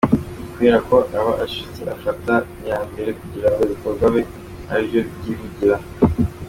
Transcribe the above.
Kubera ko aba acecetse afata iya mbere kugira ngo ibikorwa abe aribyo byivugira.